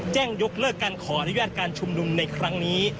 ยกเลิกการขออนุญาตการชุมนุมในครั้งนี้